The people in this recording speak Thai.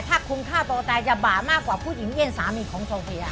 ถ้าคุณฆ่าตัวตายจะบ่ามากกว่าผู้หญิงเช่นสามีของโซเฟีย